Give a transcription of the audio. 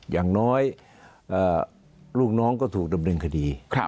อย่างน้อยลูกน้องก็ถูกดำเนินคดี